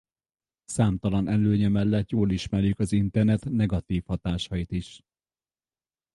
Számtalan előnye mellett jól ismerjük az internet negatív hatásait is.